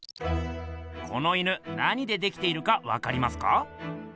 この犬何でできているかわかりますか？